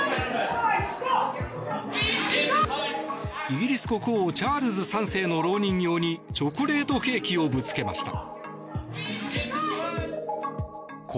イギリス国王、チャールズ３世のろう人形にチョコレートケーキをぶつけました。